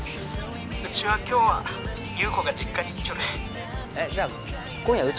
うちは今日は裕子が実家に行っちょる」えっ？じゃあ今夜うち来るか？